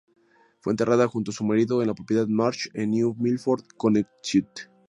Fue enterrada junto a su marido en la Propiedad March, en New Milford, Connecticut.